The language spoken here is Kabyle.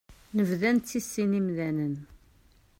Nebda nettissin imdanen.